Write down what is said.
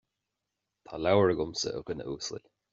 Tá leabhar agamsa, a dhuine uasail